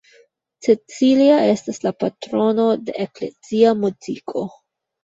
Cecilia estas la patrono de eklezia muziko.